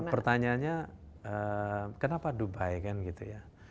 pertanyaannya kenapa dubai kan gitu ya